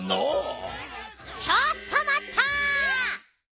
ちょっとまった！